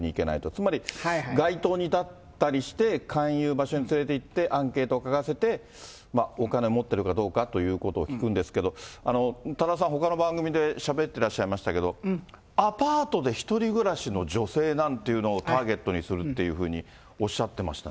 つまり街頭に立ったりして、勧誘場所に連れていって、アンケートを書かせて、お金持ってるかどうかということを聞くんですけど、多田さん、ほかの番組でしゃべってらっしゃいましたけど、アパートで一人暮らしの女性なんていうのをターゲットにするってそうですね。